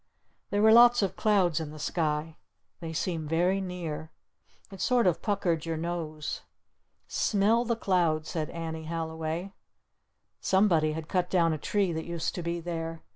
There were lots of clouds in the sky. They seemed very near. It sort of puckered your nose. "Smell the clouds!" said Annie Halliway. Somebody had cut down a tree that used to be there.